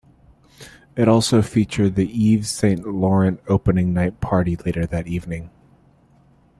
It also featured the Yves Saint Laurent Opening Night Party later that evening.